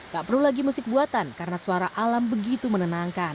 tak perlu lagi musik buatan karena suara alam begitu menenangkan